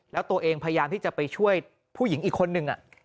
แล้วตัวเองพยายามที่จะไปช่วยผู้หญิงอีกคนนึง